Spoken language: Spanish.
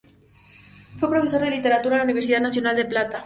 Fue profesor de literatura en la Universidad Nacional de La Plata.